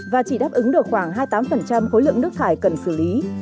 và chỉ đáp ứng được khoảng hai mươi tám khối lượng nước thải cần xử lý